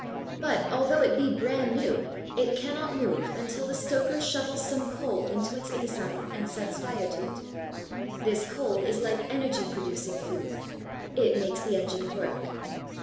But, although it be brand new, it cannot move until the stoker shovels some coal into its inside and sets fire to it. This coal is like energy producing food; it makes the engine work.